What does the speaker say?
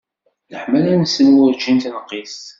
Leḥmala-nsen werǧin tenqis.